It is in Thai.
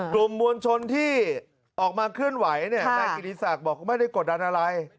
กลุ่มมวลชนที่ออกมาเคลื่อนไหวนายกิติศักดิ์บอกไม่ได้กดดันอะไร